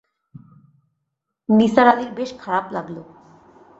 নিসার আলির বেশ খারাপ লাগল।